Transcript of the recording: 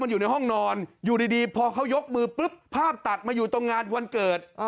อยู่ดีพอเขายกมือปุ๊บภาพตัดมาอยู่ตรงงานวันเกิด